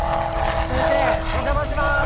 先生お邪魔しまーす。